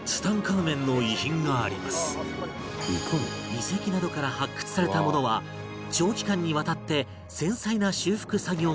遺跡などから発掘されたものは長期間にわたって繊細な修復作業が必要